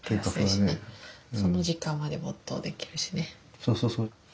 そうそうそう。